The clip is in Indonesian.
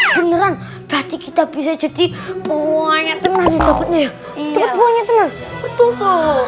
beneran berarti kita bisa jadi buahnya tenang ya cepet buahnya tenang betul buahnya tenang